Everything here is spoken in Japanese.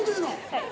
はい。